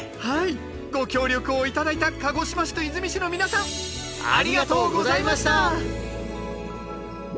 はいご協力を頂いた鹿児島市と出水市の皆さんありがとうございました！